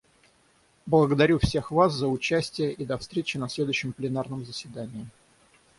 Благодарю всех вас за участие, и до встречи на следующем пленарном заседании.